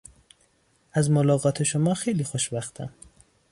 از ملاقات شما خیلی خوشوقتم.